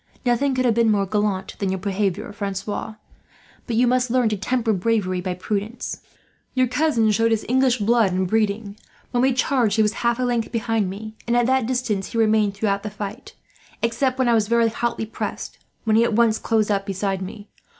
Nothing could have been more gallant than your behaviour, Francois; but you must learn to temper bravery by prudence. "Your cousin showed his English blood and breeding. When we charged he was half a length behind me, and at that distance he remained through the fight; except when I was very hotly pressed, when he at once closed up beside me.